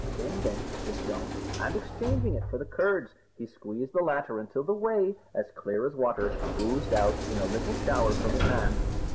Fin then took the stone, and exchanging it for the curds, he squeezed the latter until the whey, as clear as water, oozed out in a little shower from his hand.